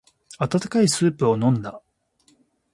温かいスープを飲んだ。